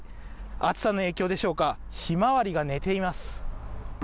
暑さの影響でしょうか、ひまわりが寝ています。